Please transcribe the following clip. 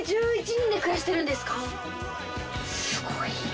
すごい。